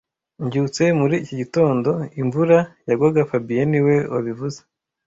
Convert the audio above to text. Mbyutse muri iki gitondo, imvura yagwaga fabien niwe wabivuze